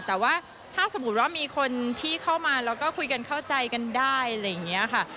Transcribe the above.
แต่ว่าถ้าสมมุติว่ามีคนที่เข้ามาแล้วก็คุยกันเข้าใจกันได้อะไรอย่างนี้ค่ะ